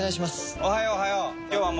おはよう、おはよう。